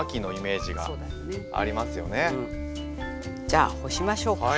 じゃあ干しましょうか。